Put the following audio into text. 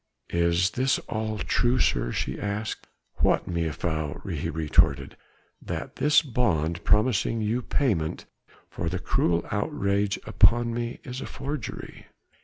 "Is this all true, sir?" she asked. "What, mejuffrouw?" he retorted. "That this bond promising you payment for the cruel outrage upon me is a forgery?"